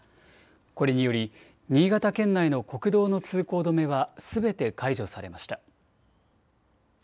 これにより新潟県内の国道の通行止めはすべて解除されました。